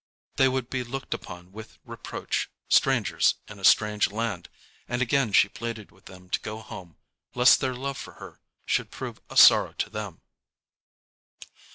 They would be looked upon with reproach, strangers in a strange land, and again she pleaded with them to go home, lest their love for her should prove a sorrow to them. [Illustration: BETHLEHEM.